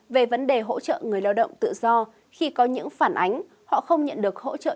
về vấn đề hỗ trợ người lao động tự do khi có những phản ánh họ không nhận được hỗ trợ